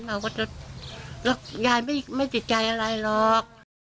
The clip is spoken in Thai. เราก็จะยายไม่ติดใจอะไรหรอก